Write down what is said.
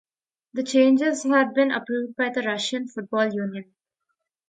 The changes had been approved by the Russian Football Union.